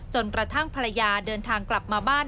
จนกระทั่งภรรยาเดินทางกลับมาบ้าน